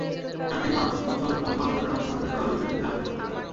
চার থেকে পাঁচ বছর পরপর বেতনকাঠামো পুনর্বিন্যাস করা হলে বিষয়টির ধারাবাহিকতা থাকবে।